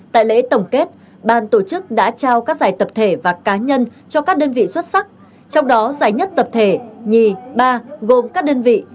tại lễ tổng kết ban tổ chức đã trao các giải tập thể và cá nhân cho các đơn vị xuất sắc trong đó giải nhất tập thể nhì ba gồm các đơn vị